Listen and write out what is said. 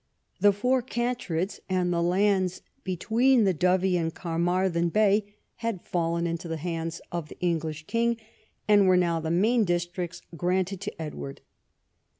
The Four Can treds and the lands between the Dovey and Carmarthen Bay had fallen into the hands of the English king, and were now the main districts granted to Edward.